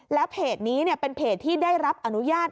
แล้วเพจนี้เป็นเพจที่ได้รับอนุญาต